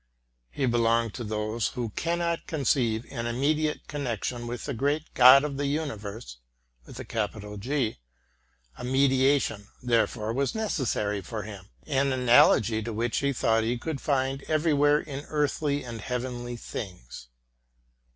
He belonged to those who cannot conceive an immediate connection with the great God of the universe: a mediation, therefore, was necessary for him, an analogy te which he thought he could find everywhere in earthly and heavenly things.